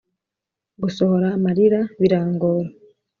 gusohora amarira birangora